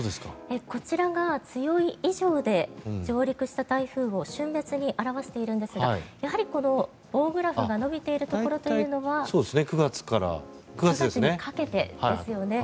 こちらが強い以上で上陸した台風を旬別に表しているんですがこの棒グラフが伸びているところは９月にかけてですよね。